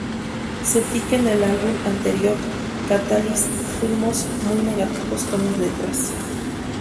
Sentí que en el álbum anterior, Catalyst, fuimos muy negativos con las letras.